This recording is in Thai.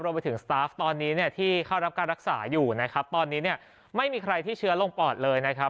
ไปถึงสตาฟตอนนี้เนี่ยที่เข้ารับการรักษาอยู่นะครับตอนนี้เนี่ยไม่มีใครที่เชื้อลงปอดเลยนะครับ